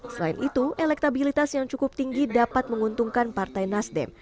selain itu elektabilitas yang cukup tinggi dapat menguntungkan partai nasdem